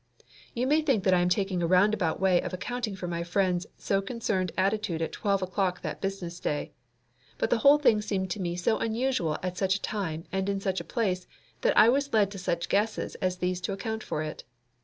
You may think that I am taking a roundabout way of accounting for my friend's so concerned attitude at twelve o'clock that business day; but the whole thing seemed to me so unusual at such a time and in such a place that I was led to such guesses as these to account for it.